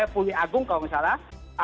puli agung kalau tidak salah